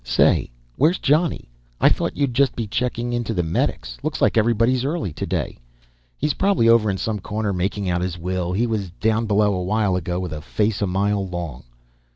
Say, where's Johnny? I thought you'd just be checking in to the medics; looks like everybody's early today." "He's probably over in some corner, making out his will. He was down below a while ago with a face a mile long."